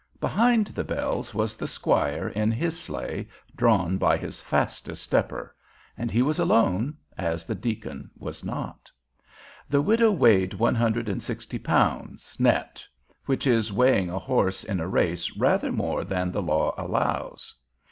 Behind the bells was the squire in his sleigh drawn by his fastest stepper, and he was alone, as the deacon was not. The widow weighed one hundred and sixty pounds, net—which is weighting a horse in a race rather more than the law allows.